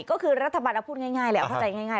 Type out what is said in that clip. ก็คือรัฐบาลเราพูดง่ายแหละเข้าใจง่าย